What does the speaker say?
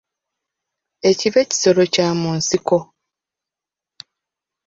Ekibe kisolo kya mu nsiko.